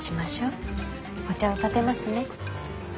お茶をたてますね。